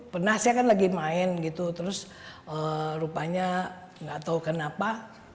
pernah saya kan lagi main gitu terus rupanya nggak tahu kenapa